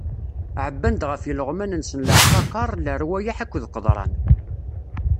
Ɛebban-d ɣef ileɣman-nsen leɛqaqer, lerwayeḥ akked qeḍran.